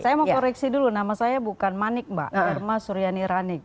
saya mau koreksi dulu nama saya bukan manik mbak irma suryani ranik